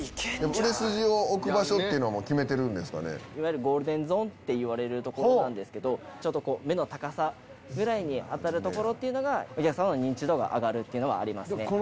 売れ筋を置く場所っていうのいわゆるゴールデンゾーンといわれる所なんですけど、ちょっとこう、目の高さぐらいに当たる所っていうのが、お客様の認知度が上がるというのはありますね。